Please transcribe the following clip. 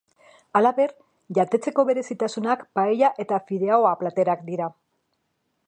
Halaber, jatetxeko berezitasunak paella eta fideua platerak dira.